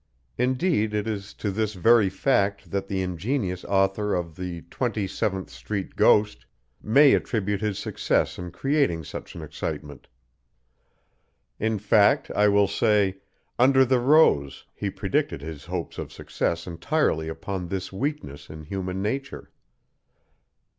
Indeed it is to this very fact that the ingenious author of the "Twenty seventh street Ghost" may attribute his success in creating such an excitement. In fact, I will say, "under the rose," he predicted his hopes of success entirely upon this weakness in human nature.